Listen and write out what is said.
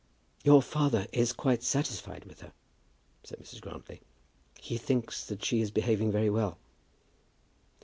"Your father is quite satisfied with her," said Mrs. Grantly. "He thinks that she is behaving very well."